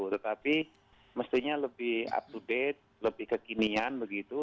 tetapi mestinya lebih up to date lebih kekinian begitu